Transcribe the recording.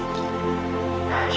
lalu tutup kawasan